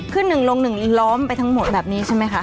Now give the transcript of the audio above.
ขึ้นหนึ่งลงหนึ่งล้อมไปทั้งหมดแบบนี้ใช่ไหมคะ